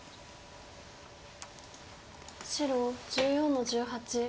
白１４の十八。